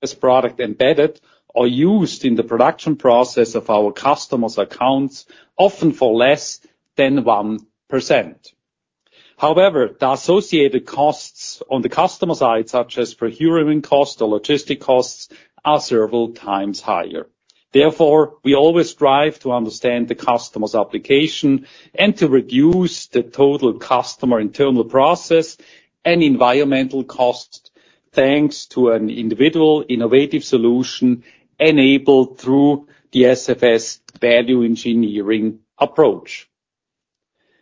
This product embedded or used in the production process of our customers' accounts, often for less than 1%. However, the associated costs on the customer side, such as procurement costs or logistic costs, are several times higher. Therefore, we always strive to understand the customer's application and to reduce the total customer internal process and environmental costs, thanks to an individual innovative solution enabled through the SFS value engineering approach.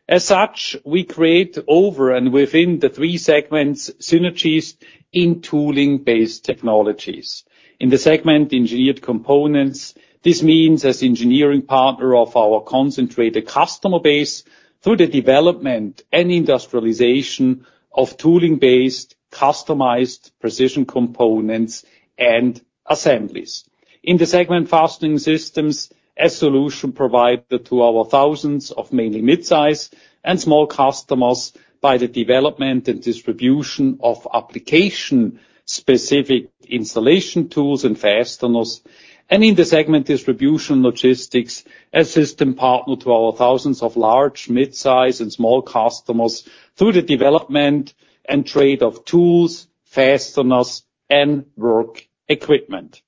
As such, we create over and within the three segments, synergies in tooling-based technologies. In the segment, Engineered Components, this means as engineering partner of our concentrated customer base through the development and industrialization of tooling-based, customized precision components and assemblies. In the segment, Fastening Systems, a solution provided to our thousands of mainly mid-size and small customers by the development and distribution of application-specific installation tools and fasteners. In the segment, Distribution & Logistics, a system partner to our thousands of large, mid-size, and small customers through the development and trade of tools, fasteners, and work equipment.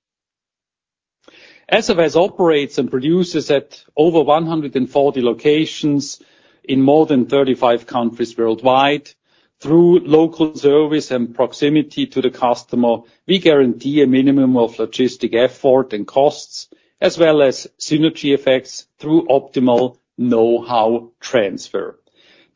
SFS operates and produces at over 140 locations in more than 35 countries worldwide. Through local service and proximity to the customer, we guarantee a minimum of logistic effort and costs, as well as synergy effects through optimal know-how transfer.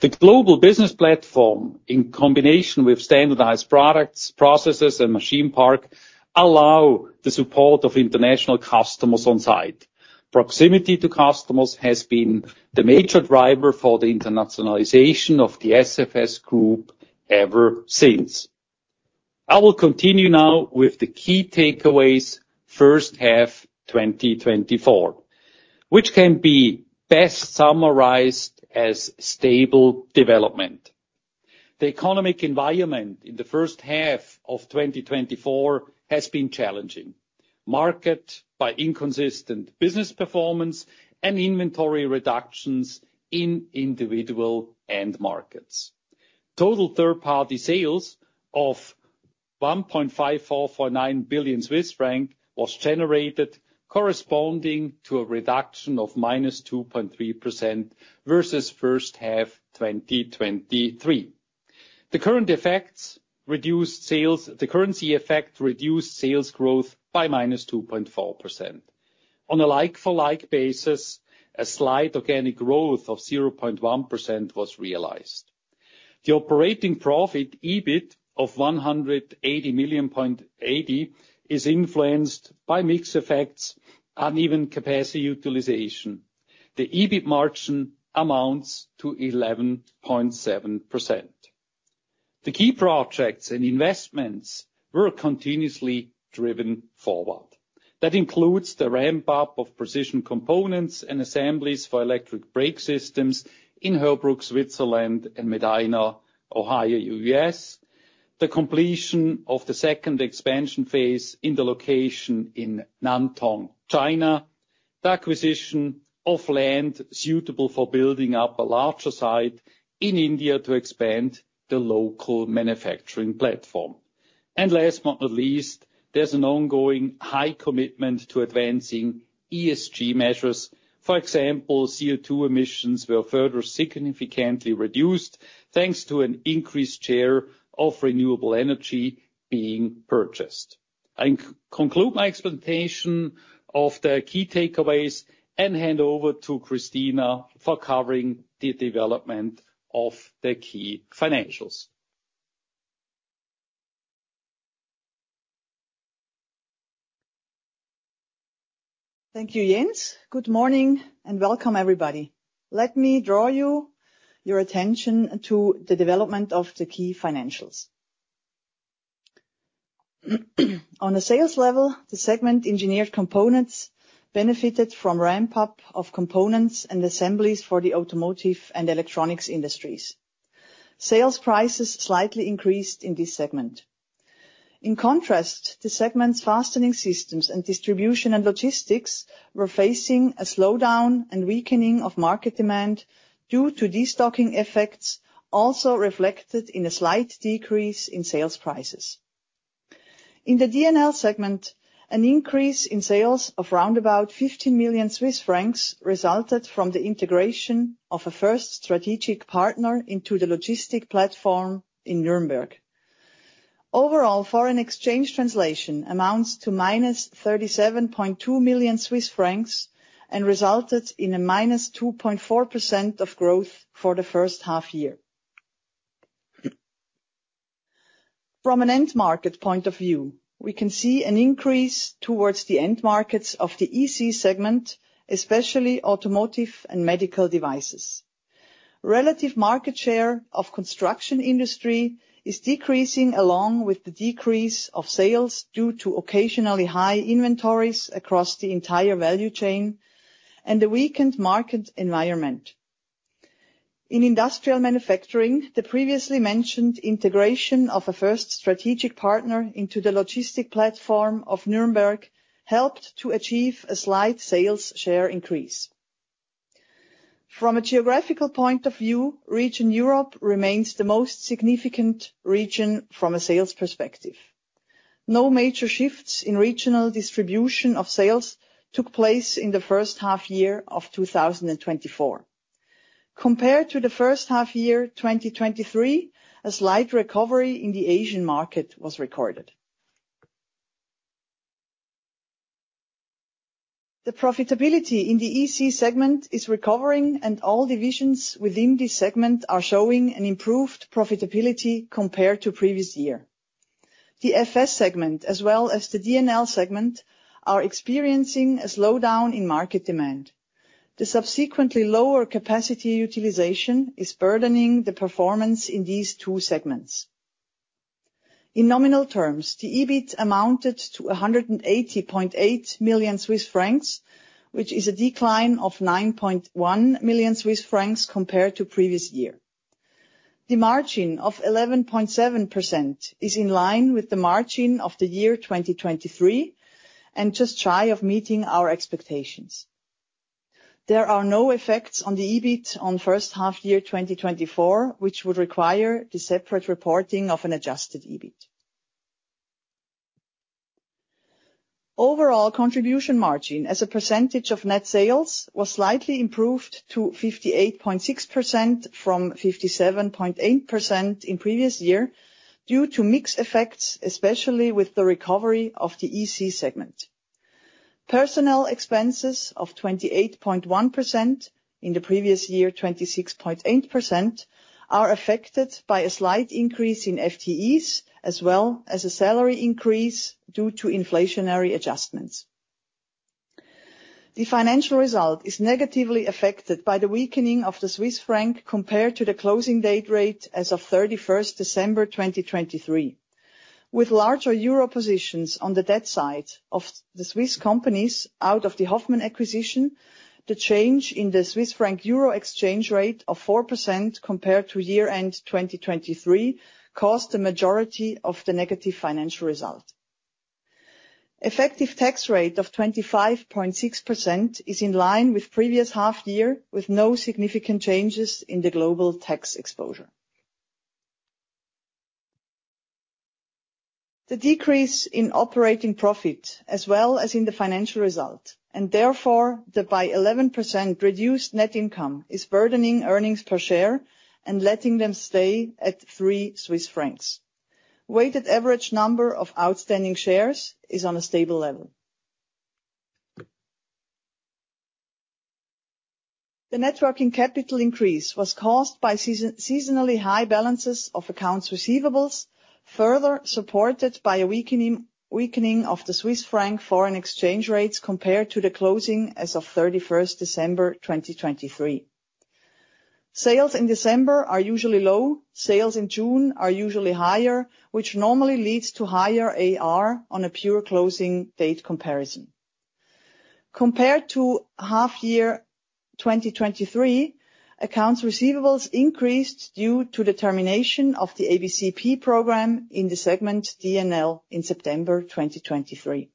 The global business platform, in combination with standardized products, processes, and machine park, allow the support of international customers on-site. Proximity to customers has been the major driver for the internationalization of the SFS Group ever since. I will continue now with the key takeaways, first half, 2024, which can be best summarized as stable development. The economic environment in the first half of 2024 has been challenging. Marked by inconsistent business performance and inventory reductions in individual end markets. Total third-party sales of 1.5449 billion Swiss franc was generated, corresponding to a reduction of -2.3% versus first half 2023. The currency effects reduced sales--the currency effect reduced sales growth by -2.4%. On a like-for-like basis, a slight organic growth of 0.1% was realized. The operating profit, EBIT, of 180.8 million, is influenced by mix effects and even capacity utilization. The EBIT margin amounts to 11.7%. The key projects and investments were continuously driven forward. That includes the ramp-up of precision components and assemblies for electric brake systems in Heerbrugg, Switzerland, and Medina, Ohio, US. The completion of the second expansion phase in the location in Nantong, China. The acquisition of land suitable for building up a larger site in India to expand the local manufacturing platform. Last but not least, there's an ongoing high commitment to advancing ESG measures. For example, CO2 emissions were further significantly reduced, thanks to an increased share of renewable energy being purchased. I conclude my explanation of the key takeaways, and hand over to Christina for covering the development of the key financials. Thank you, Jens. Good morning, and welcome, everybody. Let me draw your attention to the development of the key financials. On a sales level, the Engineered Components segment benefited from ramp-up of components and assemblies for the automotive and electronics industries. Sales prices slightly increased in this segment. In contrast, the Fastening Systems and Distribution and Logistics segments were facing a slowdown and weakening of market demand due to destocking effects, also reflected in a slight decrease in sales prices. In the D&L segment, an increase in sales of round about 15 million Swiss francs resulted from the integration of a first strategic partner into the logistic platform in Nuremberg. Overall, foreign exchange translation amounts to -37.2 million Swiss francs and resulted in a -2.4% growth for the first half year. From an end market point of view, we can see an increase towards the end markets of the EC segment, especially automotive and medical devices. Relative market share of construction industry is decreasing, along with the decrease of sales, due to occasionally high inventories across the entire value chain and the weakened market environment.... In industrial manufacturing, the previously mentioned integration of a first strategic partner into the logistic platform of Nuremberg, helped to achieve a slight sales share increase. From a geographical point of view, region Europe remains the most significant region from a sales perspective. No major shifts in regional distribution of sales took place in the first half year of 2024. Compared to the first half year, 2023, a slight recovery in the Asian market was recorded. The profitability in the EC segment is recovering, and all divisions within this segment are showing an improved profitability compared to previous year. The FS segment, as well as the D&L segment, are experiencing a slowdown in market demand. The subsequently lower capacity utilization is burdening the performance in these two segments. In nominal terms, the EBIT amounted to 180.8 million Swiss francs, which is a decline of 9.1 million Swiss francs compared to previous year. The margin of 11.7% is in line with the margin of the year 2023, and just shy of meeting our expectations. There are no effects on the EBIT on first half year, 2024, which would require the separate reporting of an adjusted EBIT. Overall, contribution margin as a percentage of net sales was slightly improved to 58.6% from 57.8% in previous year, due to mix effects, especially with the recovery of the EC segment. Personnel expenses of 28.1%, in the previous year, 26.8%, are affected by a slight increase in FTEs, as well as a salary increase due to inflationary adjustments. The financial result is negatively affected by the weakening of the Swiss franc compared to the closing date rate as of 31st December 2023. With larger Euro positions on the debt side of the Swiss companies out of the Hoffmann acquisition, the change in the Swiss franc-Euro exchange rate of 4% compared to year-end 2023 caused the majority of the negative financial result. Effective tax rate of 25.6% is in line with previous half year, with no significant changes in the global tax exposure. The decrease in operating profit, as well as in the financial result, and therefore, the by 11% reduced net income, is burdening earnings per share and letting them stay at 3 Swiss francs. Weighted average number of outstanding shares is on a stable level. The net working capital increase was caused by seasonally high balances of accounts receivables, further supported by a weakening of the Swiss franc foreign exchange rates compared to the closing as of thirty-first December 2023. Sales in December are usually low. Sales in June are usually higher, which normally leads to higher AR on a pure closing date comparison. Compared to half year 2023, accounts receivables increased due to the termination of the ABCP program in the segment D&L in September 2023.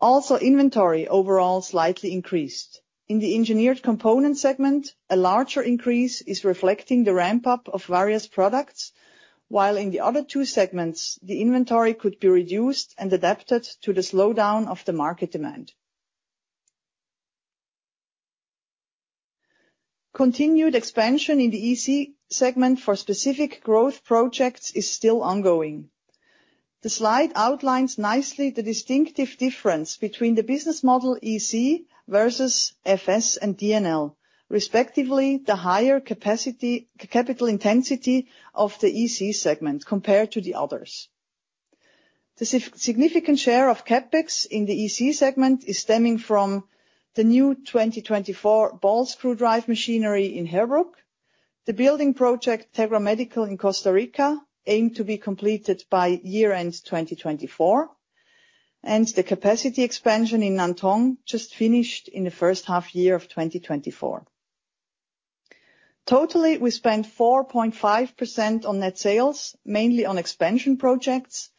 Also, inventory overall slightly increased. In the Engineered Components segment, a larger increase is reflecting the ramp-up of various products, while in the other two segments, the inventory could be reduced and adapted to the slowdown of the market demand. Continued expansion in the EC segment for specific growth projects is still ongoing. The slide outlines nicely the distinctive difference between the business model EC versus FS and D&L, respectively, the higher capital intensity of the EC segment compared to the others. The significant share of CapEx in the EC segment is stemming from the new 2024 ball screw drive machinery in Heerbrugg. The building project, Tegra Medical in Costa Rica, aimed to be completed by year-end 2024, and the capacity expansion in Nantong just finished in the first half-year of 2024. Totally, we spent 4.5% on net sales, mainly on expansion projects,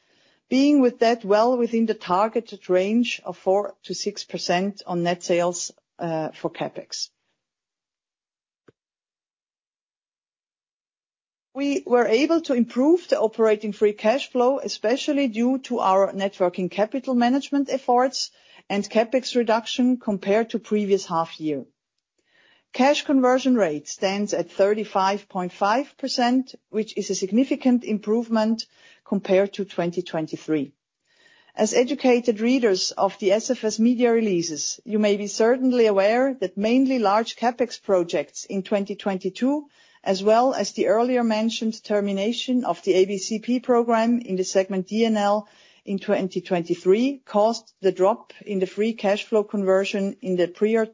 being with that well within the targeted range of 4%-6% on net sales for CapEx. We were able to improve the operating free cash flow, especially due to our net working capital management efforts and CapEx reduction compared to previous half-year. Cash conversion rate stands at 35.5%, which is a significant improvement compared to 2023. As educated readers of the SFS media releases, you may be certainly aware that mainly large CapEx projects in 2022, as well as the earlier mentioned termination of the ABCP program in the D&L segment in 2023, caused the drop in the free cash flow conversion in the prior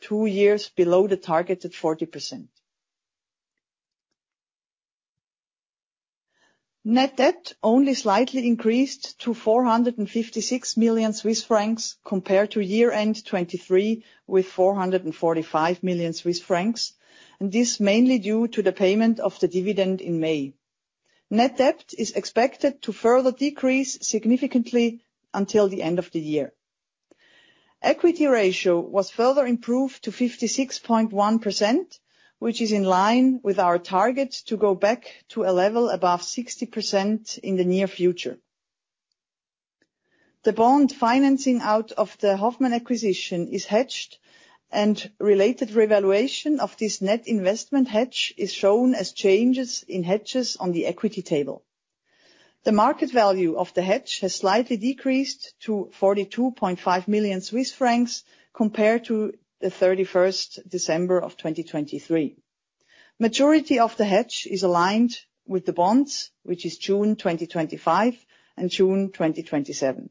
two years below the targeted 40%. Net debt only slightly increased to 456 million Swiss francs compared to year-end 2023, with 445 million Swiss francs, and this mainly due to the payment of the dividend in May. Net debt is expected to further decrease significantly until the end of the year. Equity ratio was further improved to 56.1%, which is in line with our target to go back to a level above 60% in the near future. The bond financing out of the Hoffmann acquisition is hedged, and related revaluation of this net investment hedge is shown as changes in hedges on the equity table. The market value of the hedge has slightly decreased to 42.5 million Swiss francs compared to December 31, 2023. Majority of the hedge is aligned with the bonds, which is June 2025 and June 2027.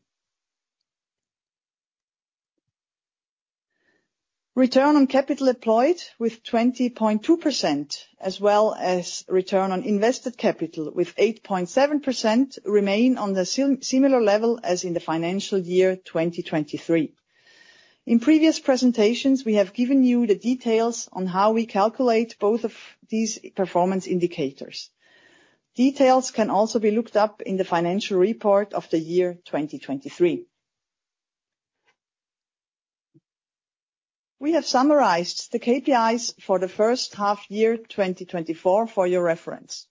Return on capital employed with 20.2%, as well as return on invested capital with 8.7%, remain on the similar level as in the financial year 2023. In previous presentations, we have given you the details on how we calculate both of these performance indicators. Details can also be looked up in the financial report of the year 2023. We have summarized the KPIs for the first half year 2024 for your reference.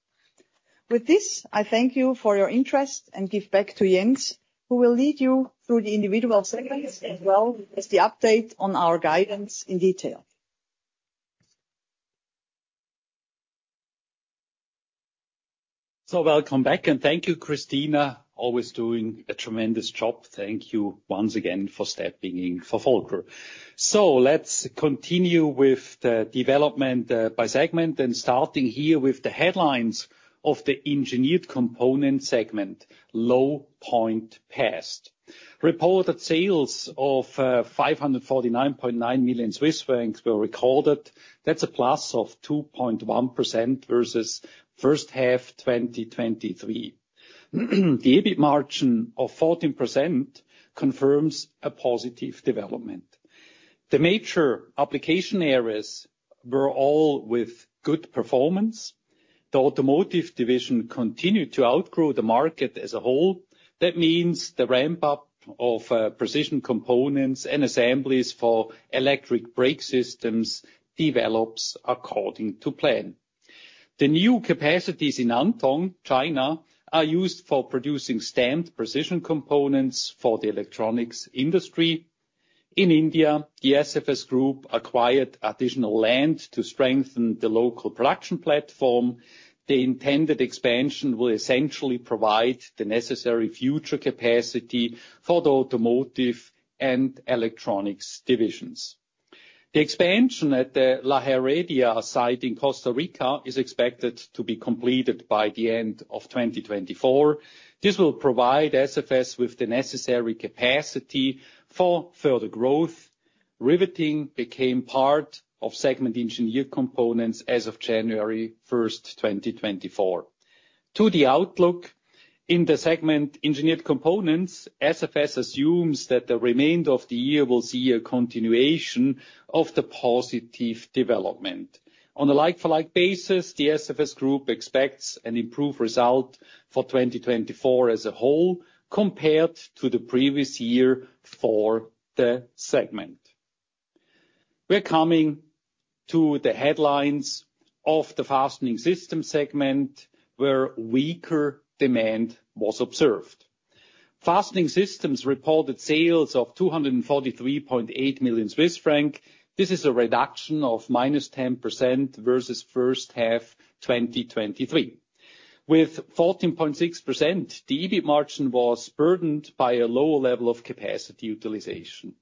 With this, I thank you for your interest and give back to Jens, who will lead you through the individual segments, as well as the update on our guidance in detail. So welcome back, and thank you, Christina. Always doing a tremendous job. Thank you once again for stepping in for Volker. So let's continue with the development by segment, and starting here with the headlines of the Engineered Components segment: low point passed. Reported sales of 549.9 million Swiss francs were recorded. That's a +2.1% versus first half 2023. The EBIT margin of 14% confirms a positive development. The major application areas were all with good performance. The Automotive division continued to outgrow the market as a whole. That means the ramp-up of precision components and assemblies for electric brake systems develops according to plan. The new capacities in Nantong, China, are used for producing stamped precision components for the electronics industry. In India, the SFS Group acquired additional land to strengthen the local production platform. The intended expansion will essentially provide the necessary future capacity for the automotive and Electronics divisions. The expansion at the Heredia site in Costa Rica is expected to be completed by the end of 2024. This will provide SFS with the necessary capacity for further growth. Riveting became part of segment Engineered Components as of January 1, 2024. To the outlook, in the segment, Engineered Components, SFS assumes that the remainder of the year will see a continuation of the positive development. On a like-for-like basis, the SFS Group expects an improved result for 2024 as a whole, compared to the previous year for the segment. We're coming to the headlines of the Fastening Systems segment, where weaker demand was observed. Fastening systems reported sales of 243.8 million Swiss francs. This is a reduction of -10% versus first half 2023. With 14.6%, the EBIT margin was burdened by a lower level of capacity utilization.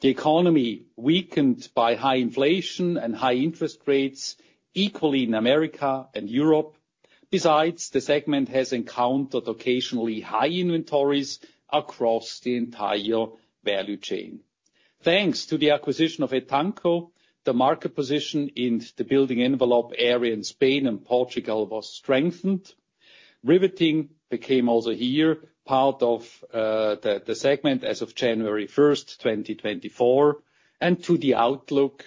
The economy, weakened by high inflation and high interest rates, equally in America and Europe. Besides, the segment has encountered occasionally high inventories across the entire value chain. Thanks to the acquisition of Etanco, the market position in the building envelope area in Spain and Portugal was strengthened. Riveting became also here part of the segment as of January 1, 2024. To the outlook,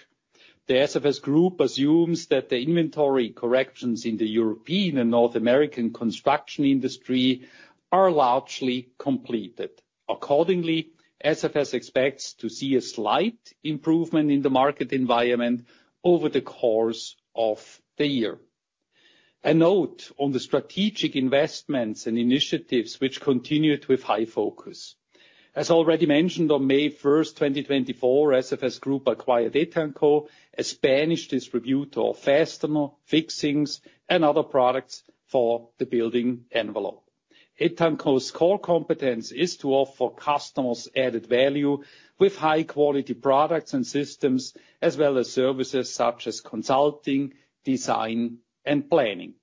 the SFS Group assumes that the inventory corrections in the European and North American construction industry are largely completed. Accordingly, SFS expects to see a slight improvement in the market environment over the course of the year. A note on the strategic investments and initiatives which continued with high focus. As already mentioned, on May 1, 2024, SFS Group acquired Etanco, a Spanish distributor of fastener, fixings, and other products for the building envelope. Etanco's core competence is to offer customers added value with high-quality products and systems, as well as services such as consulting, design, and planning.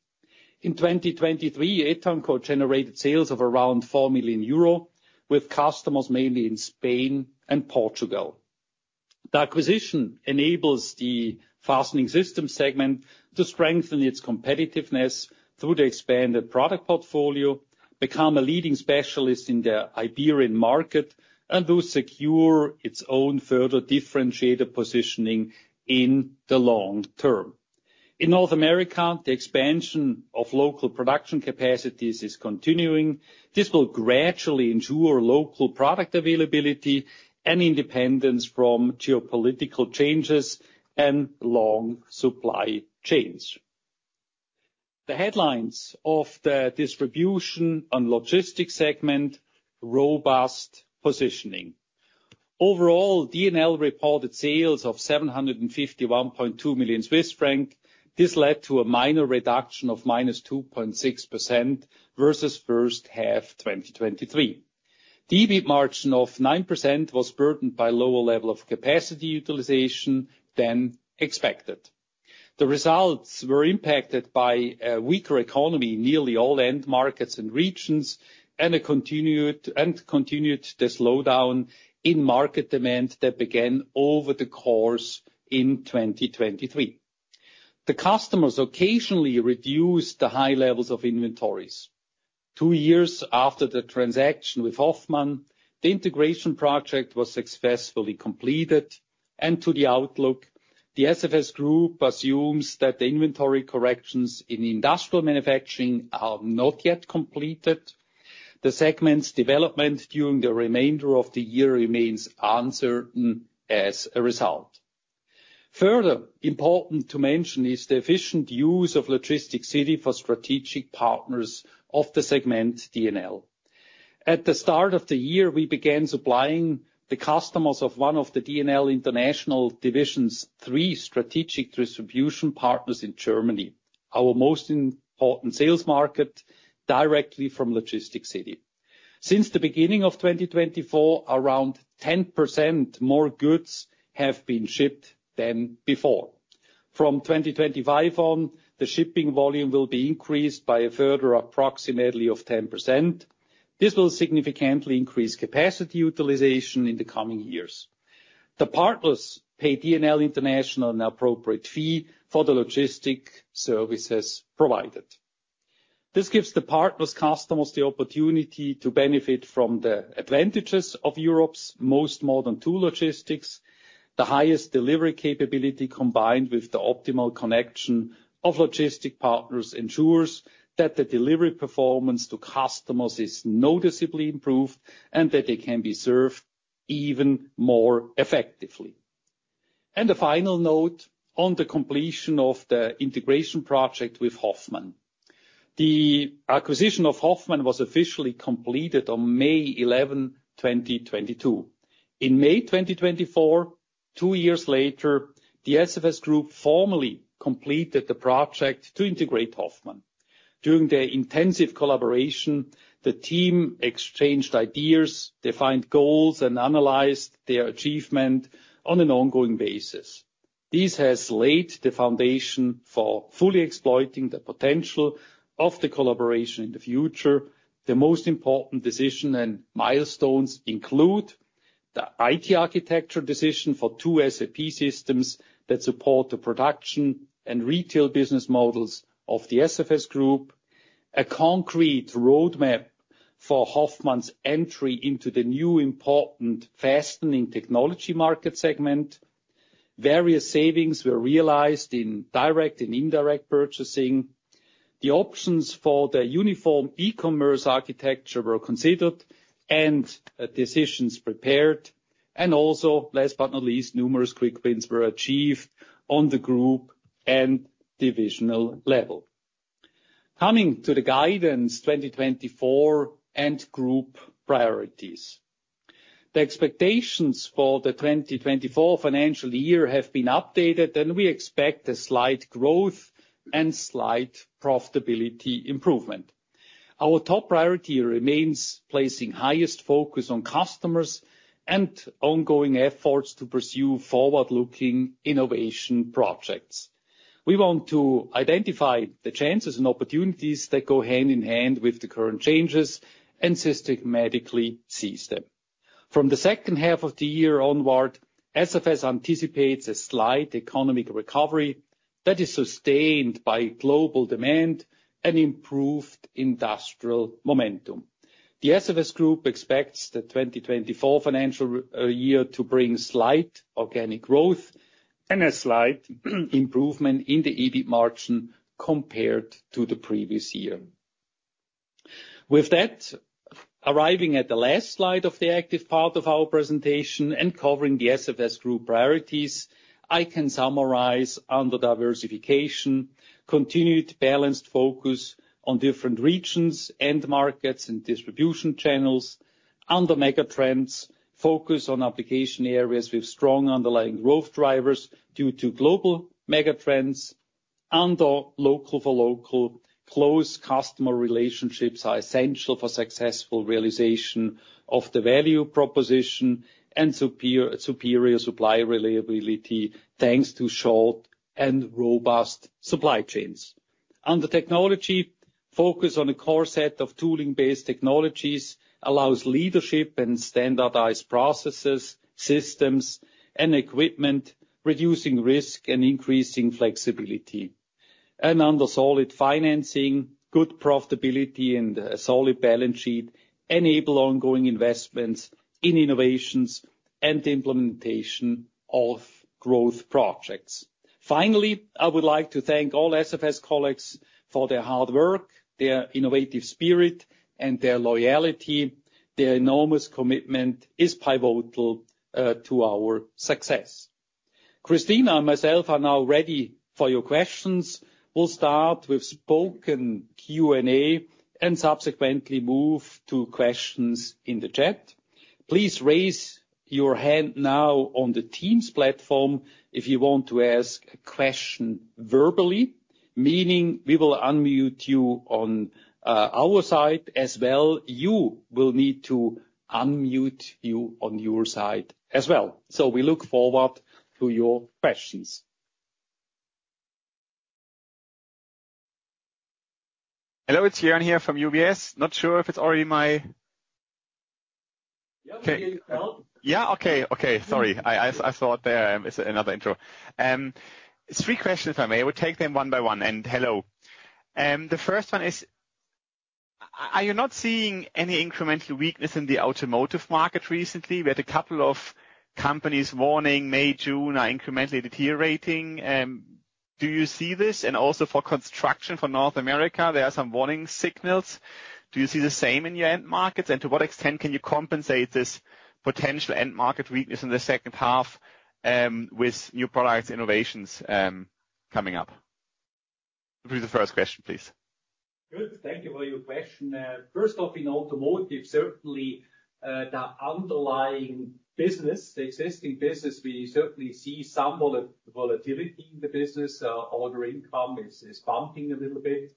In 2023, Etanco generated sales of around 4 million euro, with customers mainly in Spain and Portugal.... The acquisition enables the Fastening Systems segment to strengthen its competitiveness through the expanded product portfolio, become a leading specialist in the Iberian market, and to secure its own further differentiated positioning in the long term. In North America, the expansion of local production capacities is continuing. This will gradually ensure local product availability and independence from geopolitical changes and long supply chains. The headlines of the Distribution & Logistics segment, robust positioning. Overall, D&L reported sales of 751.2 million Swiss francs. This led to a minor reduction of -2.6% versus first half, 2023. The EBIT margin of 9% was burdened by lower level of capacity utilization than expected. The results were impacted by a weaker economy, nearly all end markets and regions, and a continued slowdown in market demand that began over the course of 2023. The customers occasionally reduced the high levels of inventories. Two years after the transaction with Hoffmann, the integration project was successfully completed. And to the outlook, the SFS Group assumes that the inventory corrections in industrial manufacturing are not yet completed. The segment's development during the remainder of the year remains uncertain as a result. Further, important to mention is the efficient use of LogisticCity for strategic partners of the segment, D&L. At the start of the year, we began supplying the customers of one of the D&L International divisions, three strategic distribution partners in Germany, our most important sales market, directly from LogisticCity. Since the beginning of 2024, around 10% more goods have been shipped than before. From 2025 on, the shipping volume will be increased by a further approximately of 10%. This will significantly increase capacity utilization in the coming years. The partners pay D&L International an appropriate fee for the logistic services provided. This gives the partners, customers, the opportunity to benefit from the advantages of Europe's most modern tool logistics. The highest delivery capability, combined with the optimal connection of logistic partners, ensures that the delivery performance to customers is noticeably improved and that they can be served even more effectively. A final note on the completion of the integration project with Hoffmann. The acquisition of Hoffmann was officially completed on May 11, 2022. In May 2024, two years later, the SFS Group formally completed the project to integrate Hoffmann. During the intensive collaboration, the team exchanged ideas, defined goals, and analyzed their achievement on an ongoing basis. This has laid the foundation for fully exploiting the potential of the collaboration in the future. The most important decision and milestones include the IT architecture decision for two SAP systems that support the production and retail business models of the SFS Group, a concrete roadmap for Hoffmann's entry into the new important fastening technology market segment. Various savings were realized in direct and indirect purchasing. The options for the uniform e-commerce architecture were considered and, decisions prepared. Also, last but not least, numerous quick wins were achieved on the group and divisional level. Coming to the guidance 2024 and group priorities. The expectations for the 2024 financial year have been updated, and we expect a slight growth and slight profitability improvement. Our top priority remains placing highest focus on customers and ongoing efforts to pursue forward-looking innovation projects. We want to identify the chances and opportunities that go hand in hand with the current changes and systematically seize them. From the second half of the year onward, SFS anticipates a slight economic recovery that is sustained by global demand and improved industrial momentum. The SFS Group expects the 2024 financial year to bring slight organic growth and a slight improvement in the EBIT margin compared to the previous year. With that, arriving at the last slide of the active part of our presentation and covering the SFS Group priorities, I can summarize under diversification, continued balanced focus on different regions, end markets, and distribution channels. Under megatrends, focus on application areas with strong underlying growth drivers due to global megatrends. Under local for local, close customer relationships are essential for successful realization of the value proposition and superior supply reliability, thanks to short and robust supply chains... Under technology, focus on a core set of tooling-based technologies allows leadership and standardized processes, systems, and equipment, reducing risk and increasing flexibility. Under solid financing, good profitability and a solid balance sheet enable ongoing investments in innovations and implementation of growth projects. Finally, I would like to thank all SFS colleagues for their hard work, their innovative spirit, and their loyalty. Their enormous commitment is pivotal to our success. Christina and myself are now ready for your questions. We'll start with spoken Q&A, and subsequently move to questions in the chat. Please raise your hand now on the Teams platform if you want to ask a question verbally, meaning we will unmute you on our side as well. You will need to unmute you on your side as well. So we look forward to your questions. Hello, it's Joern here from UBS. Not sure if it's already my- Yeah, we can hear you well. Yeah? Okay, okay. Sorry, I thought there is another intro. Three questions, if I may. We'll take them one by one, and hello. The first one is, are you not seeing any incremental weakness in the automotive market recently? We had a couple of companies warning May, June, are incrementally deteriorating. Do you see this? And also for construction for North America, there are some warning signals. Do you see the same in your end markets? And to what extent can you compensate this potential end market weakness in the second half, with new products, innovations, coming up? This is the first question, please. Good. Thank you for your question. First off, in automotive, certainly, the underlying business, the existing business, we certainly see some volatility in the business. Order income is bumping a little bit,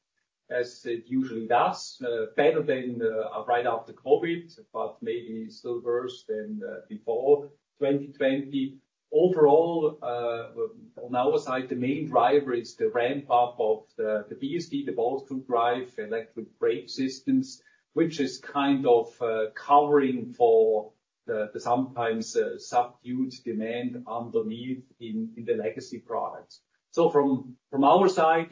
as it usually does, better than right after COVID, but maybe still worse than before 2020. Overall, on our side, the main driver is the ramp up of the BSD, the ball screw drive electric brake systems, which is kind of covering for the sometimes subdued demand underneath in the legacy products. So from our side,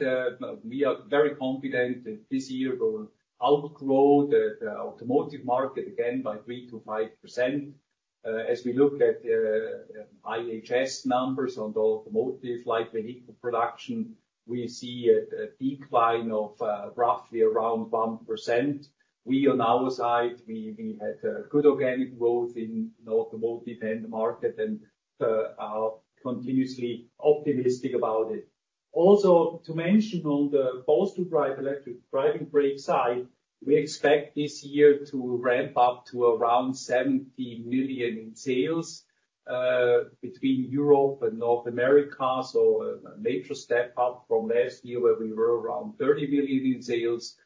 we are very confident that this year will outgrow the automotive market again by 3%-5%. As we look at IHS numbers on the automotive light vehicle production, we see a decline of roughly around 1%. We, on our side, had good organic growth in automotive end market, and are continuously optimistic about it. Also, to mention on the ball screw drive electric brake side, we expect this year to ramp up to around 70 million in sales, between Europe and North America, so a major step up from last year, where we were around 30 million in sales.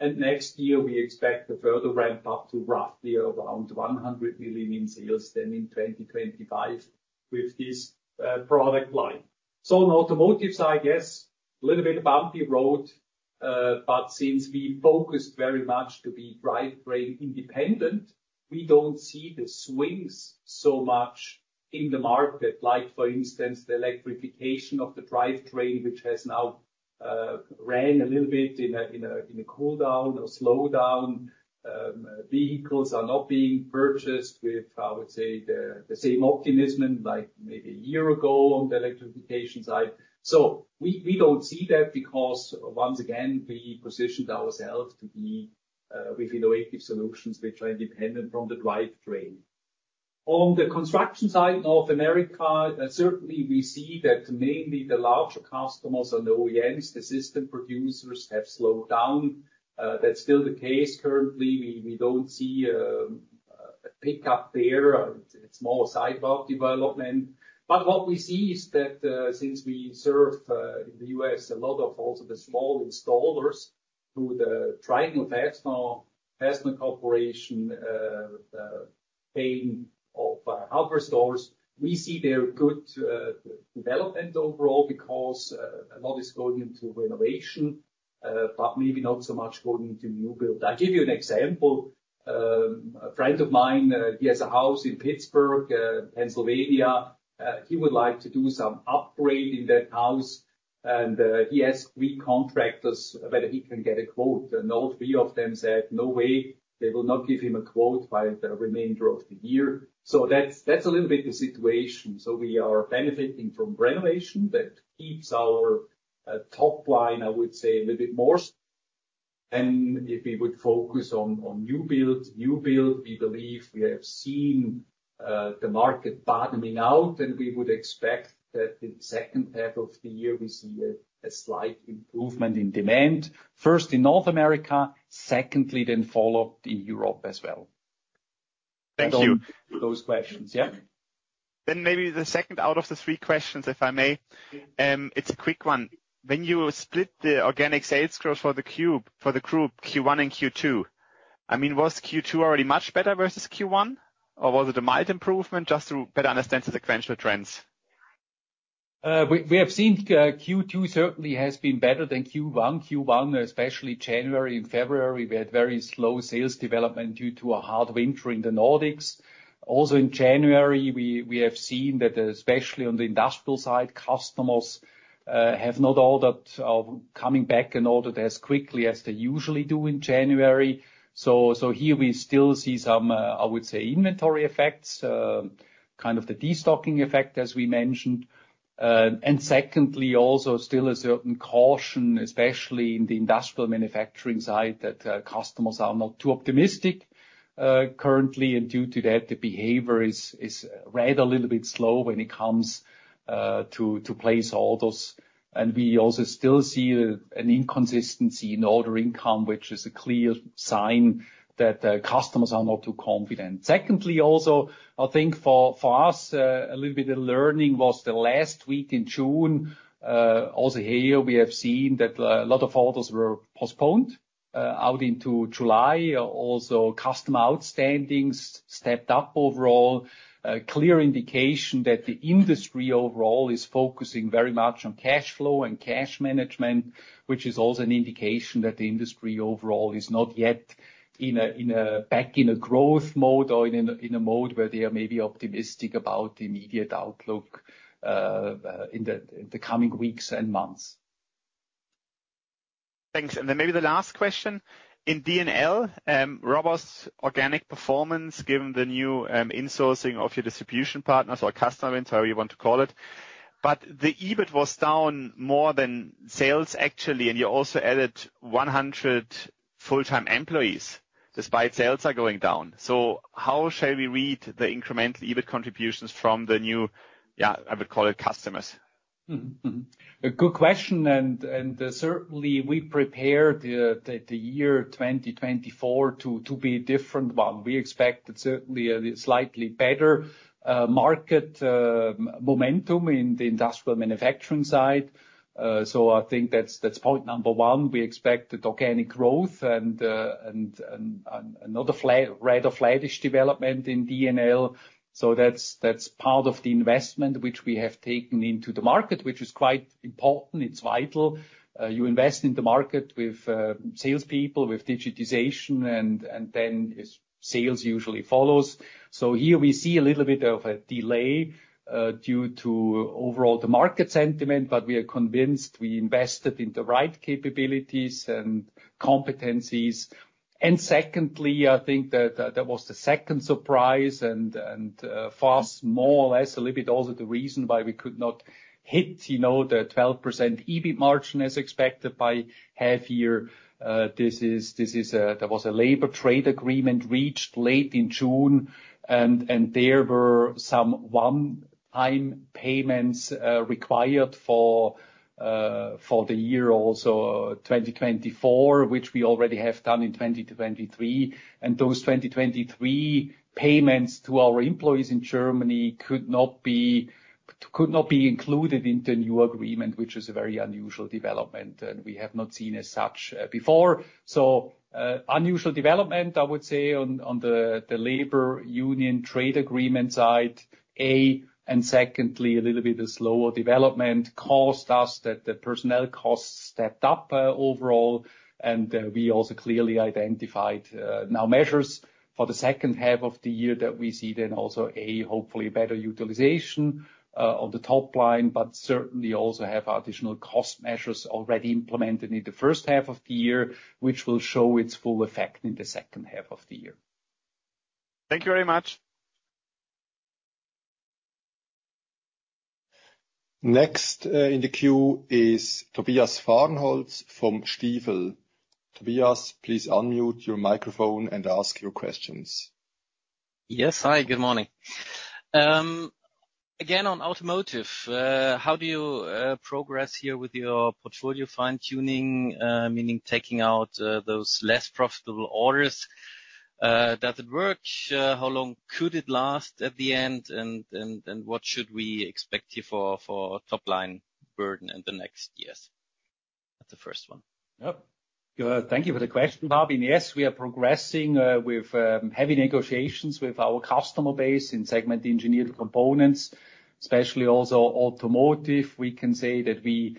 And next year, we expect to further ramp up to roughly around 100 million in sales, then in 2025 with this product line. So on automotive side, yes, a little bit bumpy road, but since we focused very much to be drivetrain independent, we don't see the swings so much in the market. Like, for instance, the electrification of the drivetrain, which has now ran a little bit in a cooldown or slowdown. Vehicles are not being purchased with, I would say, the same optimism like maybe a year ago on the electrification side. So we don't see that, because once again, we positioned ourselves to be with innovative solutions which are independent from the drivetrain. On the construction side, North America, certainly we see that mainly the larger customers on the OEMs, the system producers, have slowed down. That's still the case currently. We don't see a pickup there, a small sidebar development. But what we see is that, since we serve in the U.S. a lot of also the small installers, who the Triangle Fastener Corporation buying at our hardware stores, we see their good development overall, because a lot is going into renovation, but maybe not so much going into new build. I'll give you an example. A friend of mine, he has a house in Pittsburgh, Pennsylvania. He would like to do some upgrade in that house, and he asked three contractors whether he can get a quote, and all three of them said, "No way." They will not give him a quote by the remainder of the year. So that's, that's a little bit the situation. So we are benefiting from renovation. That keeps our top line, I would say, a little bit more. Then if we would focus on new build. New build, we believe we have seen the market bottoming out, and we would expect that in the second half of the year, we see a slight improvement in demand, first in North America, secondly, then follow in Europe as well. Thank you. Those questions, yeah? Then maybe the second out of the three questions, if I may, it's a quick one. When you split the organic sales growth for the group Q1 and Q2, I mean, was Q2 already much better versus Q1, or was it a mild improvement? Just to better understand the sequential trends. We have seen Q2 certainly has been better than Q1. Q1, especially January and February, we had very slow sales development due to a hard winter in the Nordics. Also in January, we have seen that, especially on the industrial side, customers have not ordered coming back and ordered as quickly as they usually do in January. So here we still see some, I would say, inventory effects kind of the destocking effect, as we mentioned. And secondly, also still a certain caution, especially in the industrial manufacturing side, that customers are not too optimistic currently. And due to that, the behavior is rather a little bit slow when it comes to place orders. We also still see an inconsistency in order income, which is a clear sign that customers are not too confident. Secondly, also, I think for, for us, a little bit of learning was the last week in June. Also here we have seen that a lot of orders were postponed out into July. Also, customer outstandings stepped up overall. A clear indication that the industry overall is focusing very much on cash flow and cash management, which is also an indication that the industry overall is not yet in a, in a, back in a growth mode or in a, in a mode where they are maybe optimistic about the immediate outlook, in the, in the coming weeks and months. Thanks. And then maybe the last question: in D&L, robust organic performance, given the new, insourcing of your distribution partners or customer events, however you want to call it. But the EBIT was down more than sales, actually, and you also added 100 full-time employees, despite sales are going down. So how shall we read the incremental EBIT contributions from the new, yeah, I would call it, customers? A good question. Certainly, we prepared the year 2024 to be a different one. We expected certainly a slightly better market momentum in the industrial manufacturing side. So I think that's point number one. We expected organic growth and another flat, rather flattish development in D&L. So that's part of the investment which we have taken into the market, which is quite important. It's vital. You invest in the market with salespeople, with digitization, and then sales usually follows. So here we see a little bit of a delay due to overall the market sentiment, but we are convinced we invested in the right capabilities and competencies. Secondly, I think that that was the second surprise, and for us, more or less, a little bit also the reason why we could not hit, you know, the 12% EBIT margin as expected by half year. This is a labor trade agreement reached late in June, and there were some one-time payments required for the year 2024 also, which we already have done in 2023. And those 2023 payments to our employees in Germany could not be included in the new agreement, which is a very unusual development, and we have not seen as such before. So, unusual development, I would say, on the labor union trade agreement side, and secondly, a little bit of slower development cost us that the personnel costs stepped up overall. And we also clearly identified now measures for the second half of the year that we see then also a hopefully better utilization on the top line, but certainly also have additional cost measures already implemented in the first half of the year, which will show its full effect in the second half of the year. Thank you very much. Next, in the queue is Tobias Fahrenholz from Stifel. Tobias, please unmute your microphone and ask your questions. Yes. Hi, good morning. Again, on automotive, how do you progress here with your portfolio fine-tuning, meaning taking out those less profitable orders? Does it work? How long could it last at the end, and what should we expect here for top-line burden in the next years? That's the first one. Yep. Good. Thank you for the question, Tobias. Yes, we are progressing with heavy negotiations with our customer base in segment Engineered Components, especially also automotive. We can say that we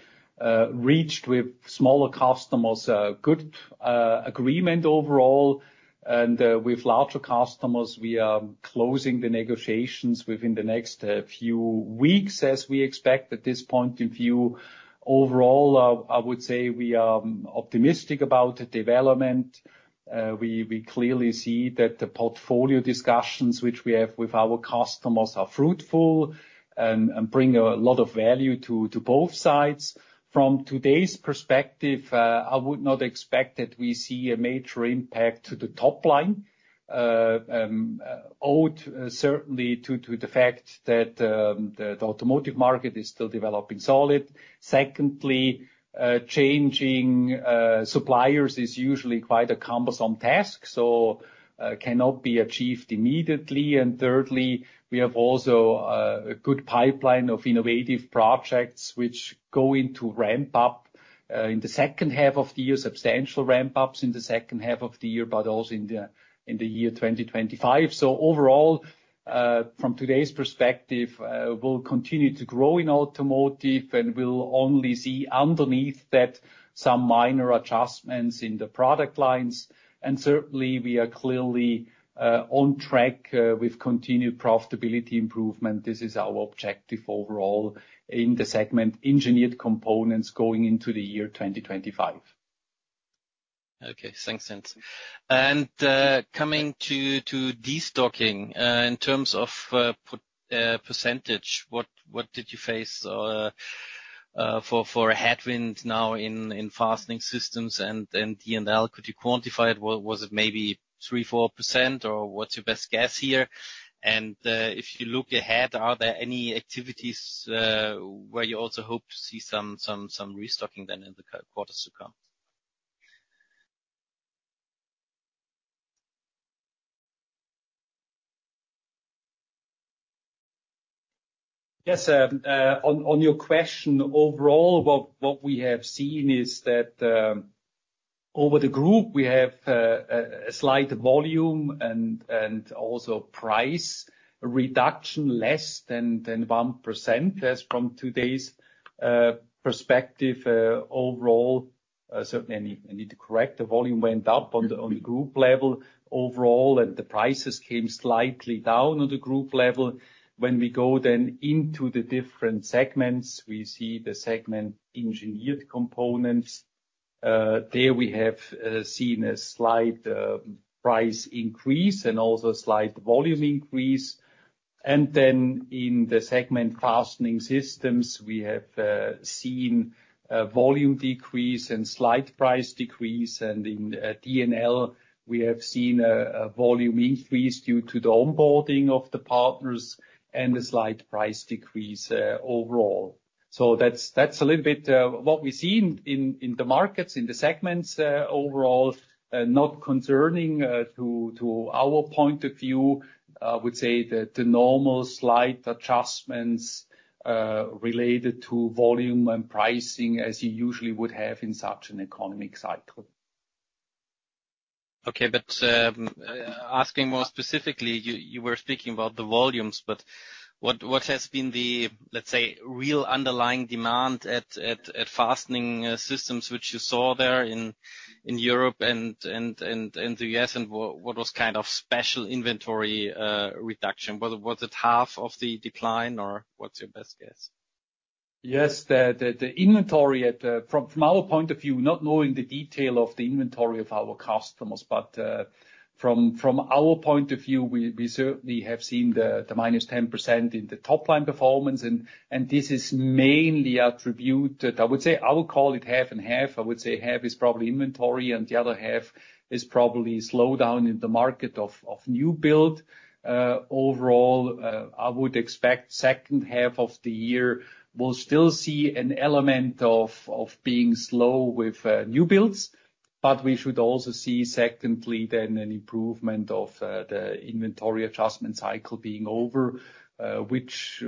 reached with smaller customers a good agreement overall, and with larger customers, we are closing the negotiations within the next few weeks, as we expect at this point in view. Overall, I would say we are optimistic about the development. We clearly see that the portfolio discussions which we have with our customers are fruitful and bring a lot of value to both sides. From today's perspective, I would not expect that we see a major impact to the top line, owed certainly to the fact that the automotive market is still developing solid. Secondly, changing suppliers is usually quite a cumbersome task, so cannot be achieved immediately. And thirdly, we have also a good pipeline of innovative projects which going to ramp up in the second half of the year, substantial ramp-ups in the second half of the year, but also in the year 2025. So overall, from today's perspective, we'll continue to grow in automotive, and we'll only see underneath that some minor adjustments in the product lines. And certainly, we are clearly on track with continued profitability improvement. This is our objective overall in the segment, Engineered Components going into the year 2025.... Okay, thanks, Hans. And coming to destocking in terms of percentage, what did you face for a headwind now in Fastening Systems and D&L? Could you quantify it? Was it maybe 3%-4%, or what's your best guess here? And if you look ahead, are there any activities where you also hope to see some restocking then in the quarters to come? Yes, on your question, overall, what we have seen is that, over the Group, we have a slight volume and also price reduction, less than 1%. As from today's perspective, overall, certainly, I need to correct, the volume went up on the Group level overall, and the prices came slightly down on the Group level. When we go then into the different segments, we see the segment Engineered Components. There we have seen a slight price increase and also a slight volume increase. And then in the segment Fastening Systems, we have seen a volume decrease and slight price decrease, and in D&L, we have seen a volume increase due to the onboarding of the partners and a slight price decrease, overall. So that's a little bit what we see in the markets, in the segments, overall, not concerning to our point of view. I would say that the normal slight adjustments related to volume and pricing, as you usually would have in such an economic cycle. Okay, but asking more specifically, you were speaking about the volumes, but what has been the, let's say, real underlying demand at Fastening Systems, which you saw there in Europe and the US, and what was kind of special inventory reduction? Was it half of the decline, or what's your best guess? Yes, the inventory at, from our point of view, not knowing the detail of the inventory of our customers, but, from our point of view, we certainly have seen the minus 10% in the top line performance, and this is mainly attributed, I would say, I would call it 50/50. I would say half is probably inventory, and the other half is probably slowdown in the market of new build. Overall, I would expect second half of the year, we'll still see an element of being slow with new builds, but we should also see secondly, then, an improvement of the inventory adjustment cycle being over, which,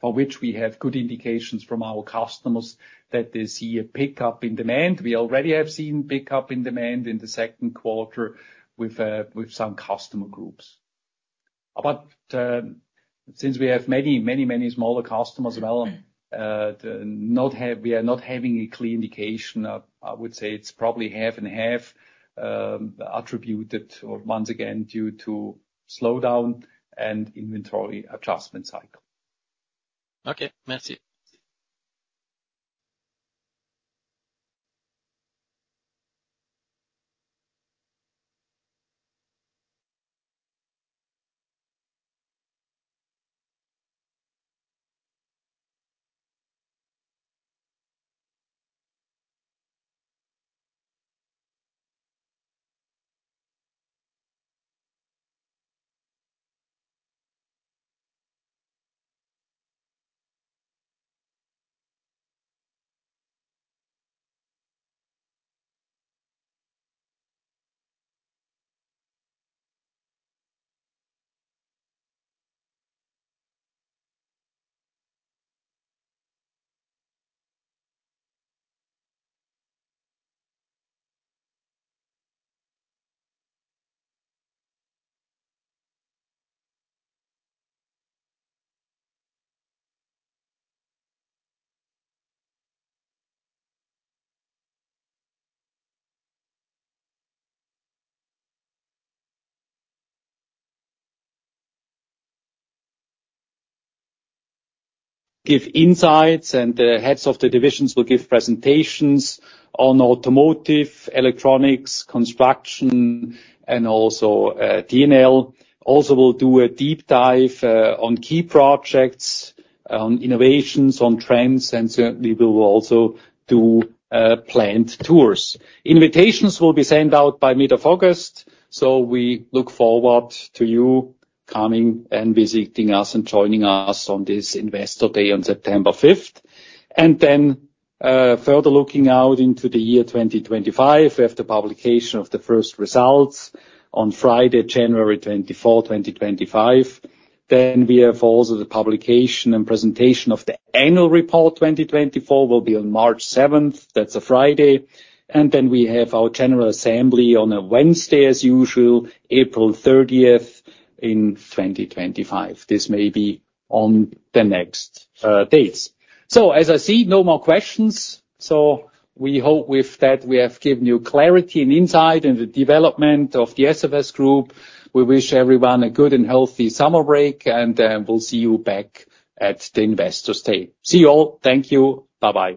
for which we have good indications from our customers that they see a pickup in demand. We already have seen pickup in demand in the second quarter with some customer groups. But since we have many, many, many smaller customers as well, we are not having a clear indication. I would say it's probably half and half, attributed, or once again, due to slowdown and inventory adjustment cycle. Okay. Merci. Give insights, and the heads of the divisions will give presentations on automotive, electronics, construction, and also, D&L. Also, we'll do a deep dive on key projects, on innovations, on trends, and certainly we will also do plant tours. Invitations will be sent out by mid of August, so we look forward to you coming and visiting us and joining us on this Investor Day on September 5. And then, further looking out into the year 2025, we have the publication of the first results on Friday, January 24, 2025. Then we have also the publication and presentation of the annual report, 2024, will be on March 7, that's a Friday. And then we have our general assembly on a Wednesday, as usual, April 30 in 2025. This may be on the next dates. So as I see, no more questions. So we hope with that, we have given you clarity and insight in the development of the SFS Group. We wish everyone a good and healthy summer break, and we'll see you back at the Investors Day. See you all. Thank you. Bye-bye.